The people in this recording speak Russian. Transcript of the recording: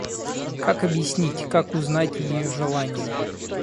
Как объяснить... как узнать ее желание?